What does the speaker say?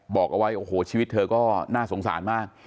บอกเอาไว้โอ้โหชีวิตเธอก็น่าสงสารมาก